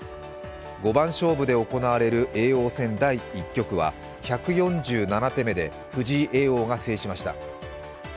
五番勝負で行われる叡王戦第１局は１４７手目で藤井叡王が制しました。